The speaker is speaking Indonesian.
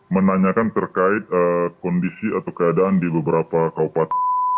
menanyakan terkait kondisi atau keadaan di beberapa kabupaten